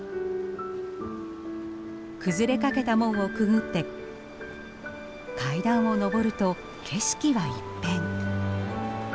崩れかけた門をくぐって階段を上ると景色は一変。